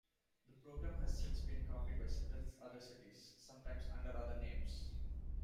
The program has since been copied by several other cities, sometimes under other names.